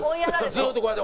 ずっとこうやって。